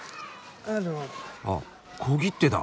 あっ小切手だ。